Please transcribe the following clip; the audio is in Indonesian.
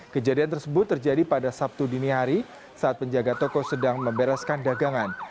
kejadian tersebut terjadi pada sabtu dini hari saat penjaga toko sedang membereskan dagangan